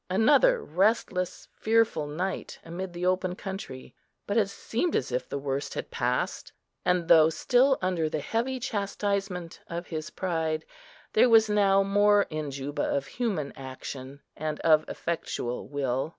Another restless, fearful night amid the open country; ... but it seemed as if the worst had passed, and, though still under the heavy chastisement of his pride, there was now more in Juba of human action and of effectual will.